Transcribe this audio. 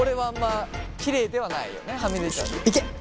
いけ！